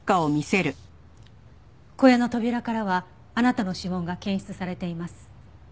小屋の扉からはあなたの指紋が検出されています。